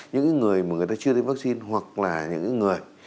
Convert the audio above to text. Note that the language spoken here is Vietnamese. những người mà người ta chưa đến vaccine hoặc là những người